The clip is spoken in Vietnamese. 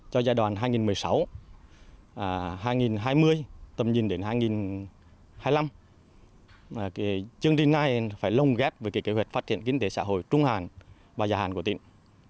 cho giai đoạn hai nghìn một mươi sáu hai nghìn hai mươi tầm nhìn đến hai nghìn hai mươi năm chương trình này phải lồng ghép với kế hoạch phát triển kinh tế xã hội trung hàn và dài hạn của tỉnh